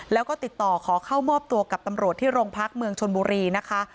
แล้วก็ติดต่อขอเข้ามอบตัวกับตำรวจที่โรงพักเมืองชนบุรีนะคะ